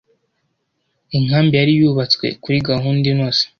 Inkambi yari yubatswe kuri gahunda inoze,